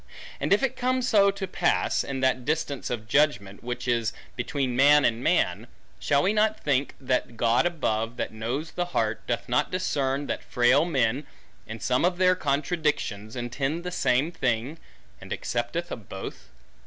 And if it come so to pass, in that distance of judgment, which is between man and man, shall we not think that God above, that knows the heart, doth not discern that frail men, in some of their contradictions, intend the same thing; and accepteth of both?